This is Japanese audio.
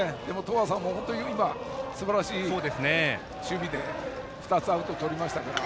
東亜さんもすばらしい守備で２つアウトをとりましたから。